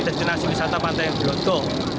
destinasi wisata pantai delodo